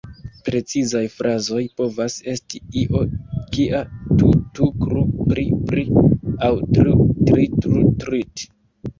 Precizaj frazoj povas esti io kia "tu-tu-krr-prii-prii" aŭ "trr-turit trr-turit...".